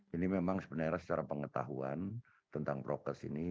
ini memang sebenarnya secara pengetahuan tentang prokes ini